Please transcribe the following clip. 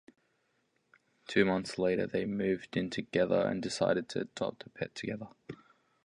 Two months later, they moved in together and decided to adopt a pet together.